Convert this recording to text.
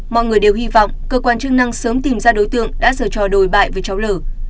mọi người đều hy vọng cơ quan chức năng sớm tìm ra đối tượng đã dở trò đổi bại với cháu l